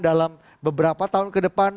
dalam beberapa tahun kedepan